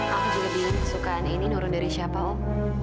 aku juga bingung kesukaan ini nurun dari siapa om